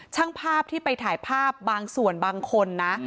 ช่างภาพที่ไปถ่ายภาพบางส่วนบางคนนะ